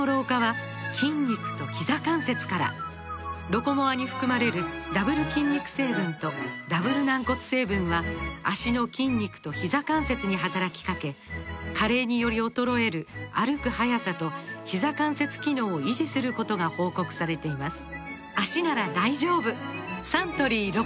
「ロコモア」に含まれるダブル筋肉成分とダブル軟骨成分は脚の筋肉とひざ関節に働きかけ加齢により衰える歩く速さとひざ関節機能を維持することが報告されています